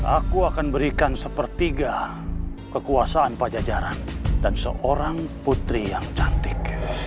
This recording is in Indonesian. aku akan berikan sepertiga kekuasaan pajajaran dan seorang putri yang cantik